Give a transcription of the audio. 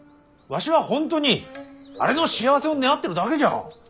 わしは本当にあれの幸せを願ってるだけじゃ。